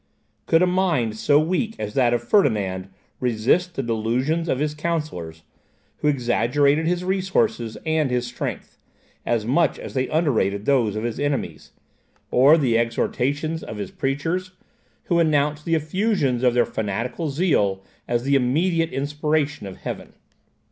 Could a mind so weak as that of Ferdinand resist the delusions of his counsellors, who exaggerated his resources and his strength, as much as they underrated those of his enemies; or the exhortations of his preachers, who announced the effusions of their fanatical zeal as the immediate inspiration of heaven?